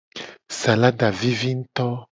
Salada vivi nguto.